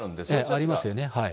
ありますよね。